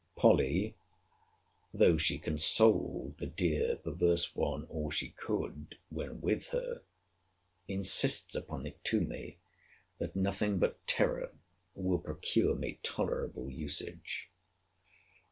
Polly, though she consoled the dear perverse one all she could, when with her, insists upon it to me, that nothing but terror will procure me tolerable usage.